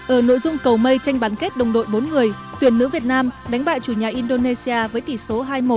ở nội dung cầu mây tranh bán kết đồng đội bốn người tuyển nữ việt nam đánh bại chủ nhà indonesia với tỷ số hai một